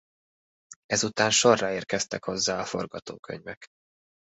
Ezután sorra érkeztek hozzá a forgatókönyvek.